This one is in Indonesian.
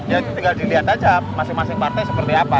ya tinggal dilihat aja masing masing partai seperti apa